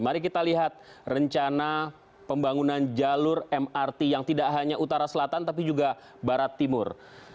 mari kita lihat rencana pembangunan jalur mrt yang tidak hanya utara selatan tapi juga barat timur